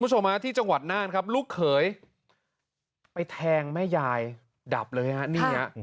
คุณผู้ชมฮะที่จังหวัดน่านครับลูกเขยไปแทงแม่ยายดับเลยฮะนี่ฮะ